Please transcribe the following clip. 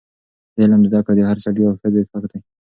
د علم زده کړه د هر سړي او ښځې حق دی.